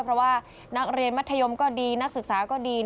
เพราะว่านักเรียนมัธยมก็ดีนักศึกษาก็ดี